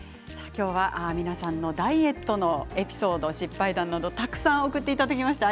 今日は皆さんのダイエットのエピソード、失敗談などたくさん送っていただきました。